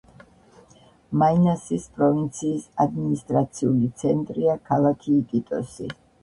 მაინასის პროვინციის ადმინისტრაციული ცენტრია ქალაქი იკიტოსი.